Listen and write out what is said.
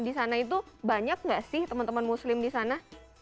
di sana itu banyak nggak sih teman teman muslim di sana